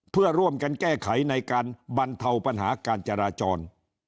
เพื่อร่วมกันแก้ไขในการบรรเทาปัญหาการจราจร